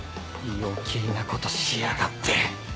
余計なことしやがって